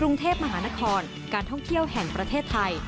กรุงเทพมหานครการท่องเที่ยวแห่งประเทศไทย